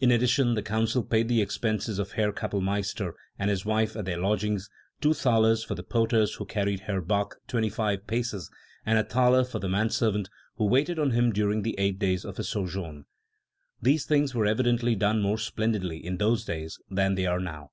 In addition the Council paid the expenses of the Herr Kapellmeister and his wife at their lodgings, two thalers for the "porters" who carried Herr Bach twenty five paces, and a thaler for the man servant who waited on him during the eight days of his sojourn*. These things were evidently done more splen didly in those days than they are now.